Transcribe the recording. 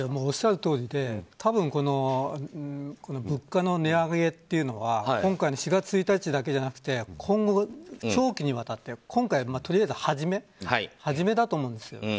おっしゃるとおりで多分、物価の値上げというのは今回の４月１日だけじゃなく今後、長期にわたって今回はとりあえず初めだと思うんですよ。